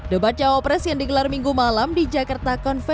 debat jawa presiden di gelar minggu malam di jakarta konversi